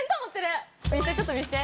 一瞬ちょっと見せて。